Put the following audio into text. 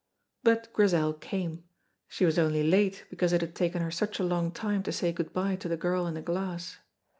But Grizel came; she was only late because it had taken her such a long time to say good by to the girl in the glass.